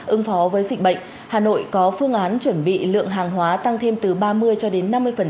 ứng phó với dịch bệnh hà nội có phương án chuẩn bị lượng hàng hóa tăng thêm từ ba mươi cho đến năm mươi